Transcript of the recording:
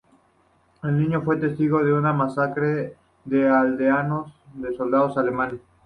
De niño fue testigo de una masacre de aldeanos por soldados alemanes.